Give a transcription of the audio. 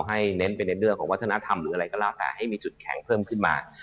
เน้นไปในเรื่องของวัฒนธรรมหรืออะไรก็แล้วแต่ให้มีจุดแข็งเพิ่มขึ้นมา